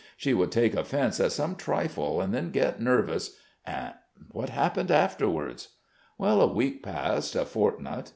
She would take offence at some trifle and then get nervous.... And what happened afterwards?" "A week passed, a fortnight....